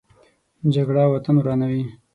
جګړه وطن ورانوي